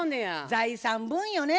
財産分与ね。